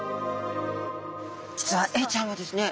実はエイちゃんはですね